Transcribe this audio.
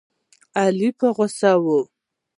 علي په غوسه و.